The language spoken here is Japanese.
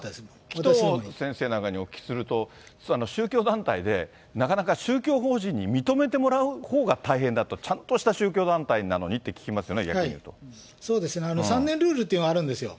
紀藤先生なんかにお聞きすると、宗教団体でなかなか宗教法人に認めてもらうほうが大変だと、ちゃんとした宗教団体なのにと聞きますよね、そうですね、３年ルールっていうのがあるんですよ。